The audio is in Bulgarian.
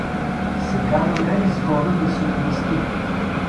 Сега намери сгода да си отмъсти.